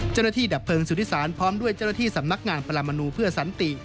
ดับเพลิงสุธิศาลพร้อมด้วยเจ้าหน้าที่สำนักงานปรมนูเพื่อสันติ